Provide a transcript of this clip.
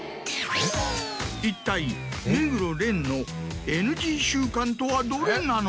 一体目黒蓮のＮＧ習慣とはどれなのか？